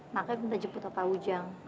makanya aku gak jemput sama pak ujang